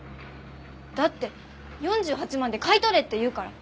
だって４８万で買い取れって言うから。